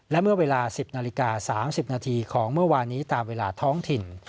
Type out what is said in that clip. และเมื่อเวลา๑๐นาฬิกา๓๐นาทีของเมื่อวานนี้ตามเวลาท้องถิ่น